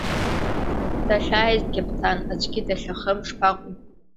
Дахьааиз қьаԥҭан, аӡәгьы дахьахым шԥаҟоу!